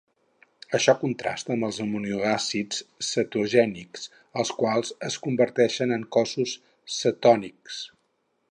Això contrasta amb els aminoàcids cetogènics, els quals es converteixen en cossos cetònics.